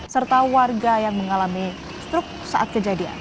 serta warga yang mengalami struk saat kejadian